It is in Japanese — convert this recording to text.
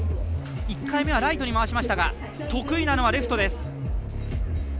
１回目はライトに回しましたが得意なのはレフトです。